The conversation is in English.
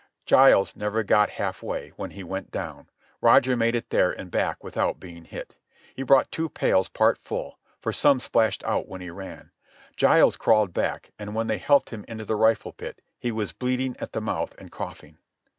Giles never got half way, when he went down. Roger made it there and back without being hit. He brought two pails part full, for some splashed out when he ran. Giles crawled back, and when they helped him into the rifle pit he was bleeding at the mouth and coughing.